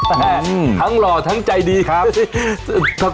ทั้งหลงและทั้งใจดีครับ